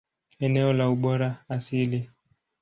Eneo la ubora asili.